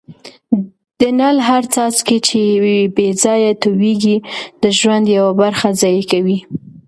د نل هر څاڅکی چي بې ځایه تویېږي د ژوند یوه برخه ضایع کوي.